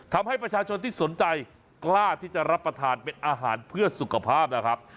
ทำให้ประชาชนที่สนใจกล้าที่จะรับประทานเป็นอาหารเพื่อสุขภาพนะครับ